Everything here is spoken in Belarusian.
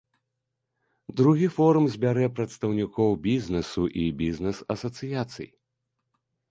Другі форум збярэ прадстаўнікоў бізнесу і бізнес-асацыяцый.